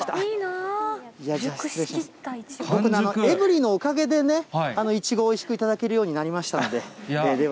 エブリィのおかげでね、いちご、おいしく頂けるようになりましたので。